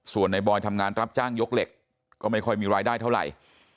ส่วนในบอยทำงานรับจ้างยกเหล็กก็ไม่ค่อยมีรายได้เท่าไหร่